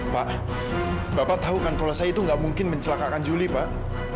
pak bapak tahu kan kalau saya itu nggak mungkin mencelakakan juli pak